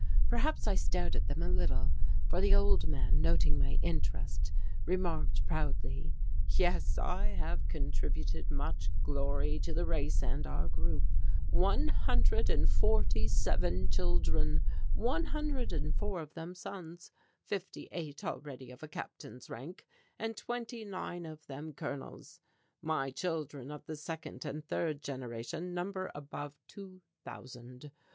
Perhaps I stared at them a little, for the old man, noting my interest, remarked proudly, "Yes, I have contributed much glory to the race and our group, one hundred and forty seven children, one hundred and four of them sons, fifty eight already of a captain's rank, and twenty nine of them colonels my children of the second and third generation number above two thousand.